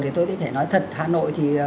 thì tôi có thể nói thật hà nội thì